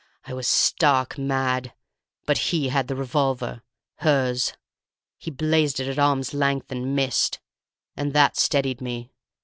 I was stark mad. But he had the revolver—hers. He blazed it at arm's length, and missed. And that steadied me.